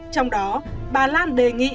trong đó bà lan đề nghị